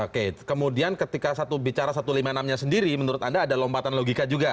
oke kemudian ketika bicara satu ratus lima puluh enam nya sendiri menurut anda ada lompatan logika juga